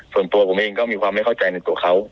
ส่วนตัวผมเองก็มีความไม่เข้าใจในตัวเขา